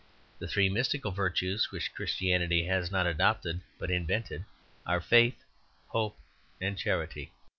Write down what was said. The three mystical virtues which Christianity has not adopted, but invented, are faith, hope, and charity.